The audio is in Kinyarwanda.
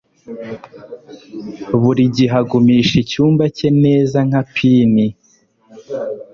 Buri gihe agumisha icyumba cye neza nka pin.